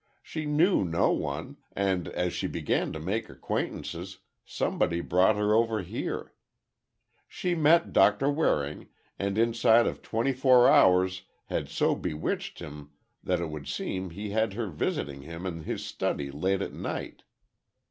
She knew no one, and as she began to make acquaintances somebody brought her over here. She met Doctor Waring, and inside of twenty four hours had so bewitched him that it would seem he had her visiting him in his study late at night.